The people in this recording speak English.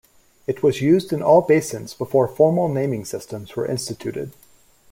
It was used in all basins before formal naming systems were instituted.